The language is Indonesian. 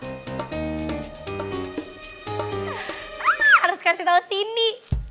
aaaaah harus kasih tau sini